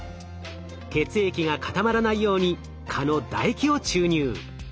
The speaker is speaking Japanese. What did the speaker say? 血液が固まらないように蚊のだ液を注入。